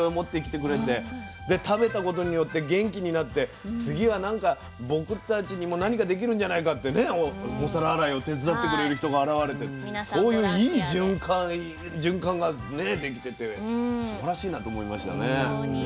で食べたことによって元気になって次は僕たちにも何かできるんじゃないかってねお皿洗いを手伝ってくれる人が現れてそういういい循環がね出来ててすばらしいなと思いましたね。